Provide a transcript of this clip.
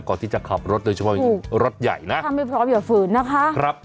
ก่อนที่จะขับรถโดยเฉพาะรถใหญ่นะถ้าไม่พร้อมอย่าฝืนนะคะครับ